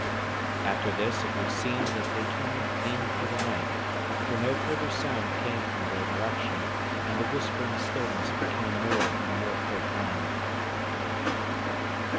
After this it would seem that they turned in for the night, for no further sound came from their direction, and the whispering stillness became more and more profound.